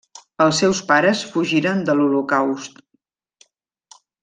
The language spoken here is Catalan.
Els seus pares fugiren de l'holocaust.